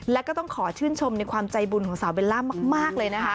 และก็ต้องขอชื่นชมในความใจบุญของสาวเบลล่ามากเลยนะคะ